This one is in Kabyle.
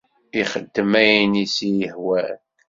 Ixeddem ayen i s-ihwan.